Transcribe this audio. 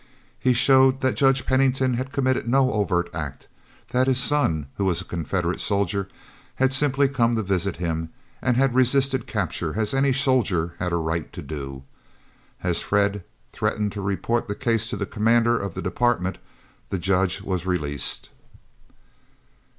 He showed that Judge Pennington had committed no overt act; that his son, who was a Confederate soldier, had simply come to visit him, and had resisted capture, as any soldier had a right to do. As Fred threatened to report the case to the commander of the Department, the Judge was released.